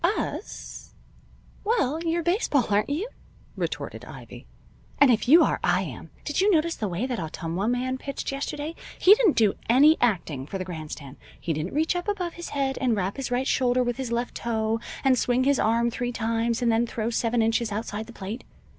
"Us? Well, you're baseball, aren't you?" retorted Ivy. "And if you are, I am. Did you notice the way that Ottumwa man pitched yesterday? He didn't do any acting for the grandstand. He didn't reach up above his head, and wrap his right shoulder with his left toe, and swing his arm three times and then throw seven inches outside the plate.